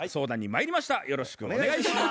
よろしくお願いします。